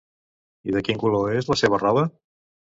I de quin color és la seva roba?